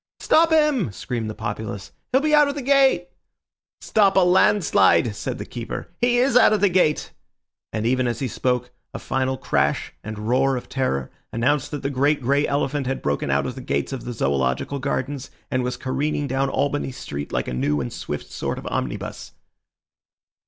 "Stop him!" screamed the populace. "He'll be out of the gate!" "Stop a landslide!" said the keeper. "He is out of the gate!" And even as he spoke, a final crash and roar of terror announced that the great grey elephant had broken out of the gates of the Zoological Gardens, and was careening down Albany Street like a new and swift sort of omnibus.